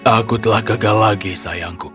aku telah gagal lagi sayangku